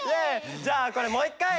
じゃあこれもう１かい！